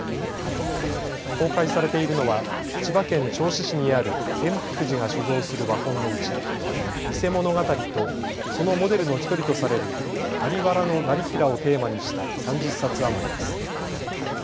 公開されているのは千葉県銚子市にある圓福寺が所蔵する和本のうち、伊勢物語とそのモデルの１人とされる在原業平をテーマにした３０冊余りです。